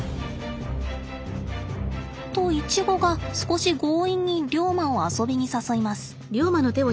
とイチゴが少し強引にリョウマを遊びに誘います。